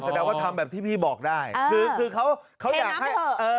อ๋อแสดงว่าทำแบบที่พี่บอกได้คือเขาอยากให้